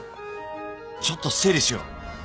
ちょっと整理しよう。